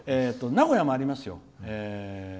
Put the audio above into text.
名古屋もありますよ。